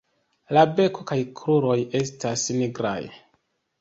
La beko kaj kruroj estas nigraj.